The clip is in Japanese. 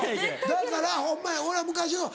だからホンマに俺は昔の。